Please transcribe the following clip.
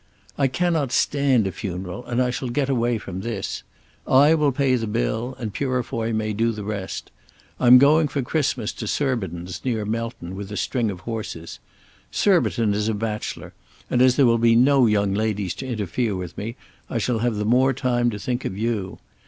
I cannot stand a funeral, and I shall get away from this. I will pay the bill and Purefoy may do the rest. I'm going for Christmas to Surbiton's near Melton with a string of horses. Surbiton is a bachelor, and as there will be no young ladies to interfere with me I shall have the more time to think of you.